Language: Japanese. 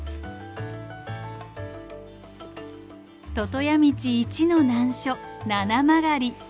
魚屋道一の難所七曲り。